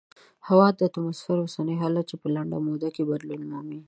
هوا د اتموسفیر اوسنی حالت دی چې په لنډه موده کې بدلون مومي.